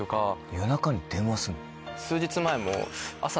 夜中に電話すんの？